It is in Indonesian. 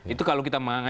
itu kalau kita menganggap